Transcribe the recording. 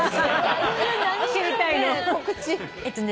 えっとね